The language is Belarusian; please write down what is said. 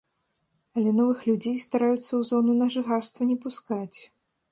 Але новых людзей стараюцца ў зону на жыхарства не пускаць.